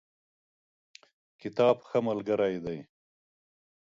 کتاب ښه ملګری دی.